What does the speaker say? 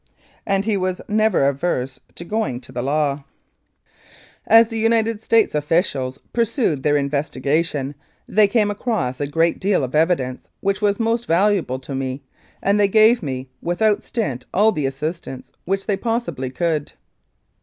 and he was never averse to going to law. 157 Mounted Police Life in Canada As the United States officials pursued their investiga tion they came across a great deal of evidence which was most valuable to me, and they gave me without stint all the assistance which they possibly could.